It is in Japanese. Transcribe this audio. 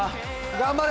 頑張れ。